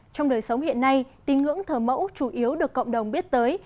trong đời sống hiện nay tín ngưỡng thờ mẫu chủ yếu được cộng đồng biết tới